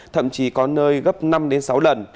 thậm chí có nơi gấp năm sáu lần